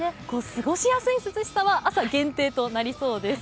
過ごしやすい涼しさは朝限定となりそうです。